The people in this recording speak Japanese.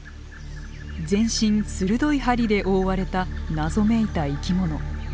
全身鋭い針で覆われた謎めいた生き物。